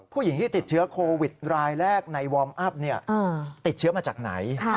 ผู้หญิงที่ติดเชื้อโควิดรายแรกในวอร์มอัพติดเชื้อมาจากไหน